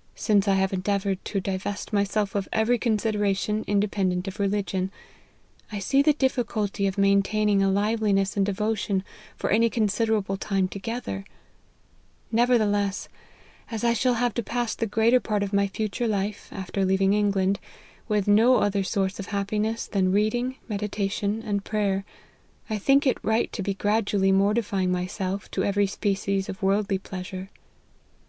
" Since I have endeavoured to divest myself of every consideration independent of religion, I see the difficulty of maintaining a liveliness in devotion for any considerable time together ; nevertheless, as I shall have to pass the greater part of my future life, after leaving England, with no other source of happiness than reading, meditation, and prayer, I think it right to be gradually mortifying myself to every species of worldly pleasure."